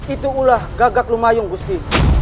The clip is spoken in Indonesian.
itulah gagak rumah yang gusti